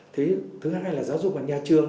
thứ hai là giáo dục nhà trường